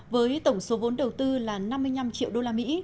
với tổng số vốn đầu tư là năm mươi năm triệu đô la mỹ